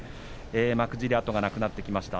幕尻で後がなくなってきました。